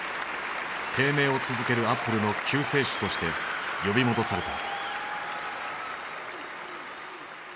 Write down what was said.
低迷を続けるアップルの救世主として呼び戻された。